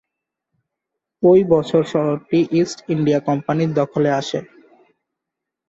ঐ বছর শহরটি ইস্ট ইন্ডিয়া কোম্পানির দখলে আসে।